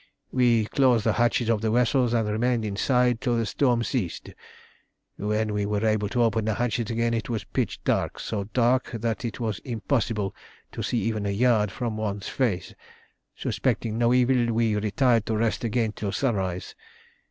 "We closed the hatches of the vessels, and remained inside till the storm ceased. When we were able to open the hatches again, it was pitch dark so dark that it was impossible to see even a yard from one's face. Suspecting no evil, we retired to rest again till sunrise.